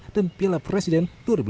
dan piala presiden dua ribu lima belas